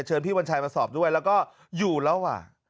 ชวนผู้ถูกมาสอบและก็อยูล์แล้วว่ะ